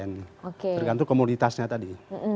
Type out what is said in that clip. tergantung komoditasnya tadi